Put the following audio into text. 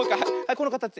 このかたち。